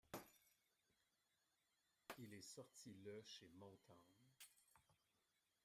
Il est sorti le chez Motown.